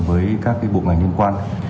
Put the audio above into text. với các bộ ngành liên quan